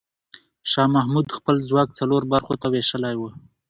شاه محمود خپل ځواک څلور برخو ته وېشلی و.